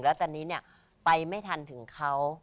แล้วตอนนี้เนี่ยไปไม่ทันถึงเขา